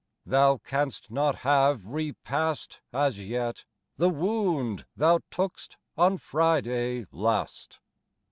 thou cans't not have re past As yet the wound thou took'st on Friday last.